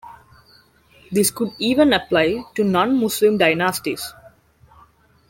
This could even apply to non-Muslim dynasties.